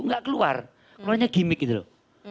gak keluar keluar nya gimmick gitu loh